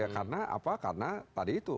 karena apa karena tadi itu